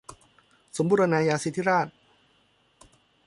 สมบูรณาญาสิทธิราช